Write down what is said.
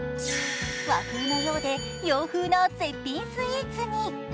和風のようで洋風な絶品スイーツに。